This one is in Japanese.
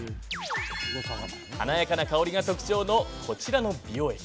華やかな香りが特徴の美容液。